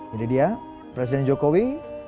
ini dia presiden jokowi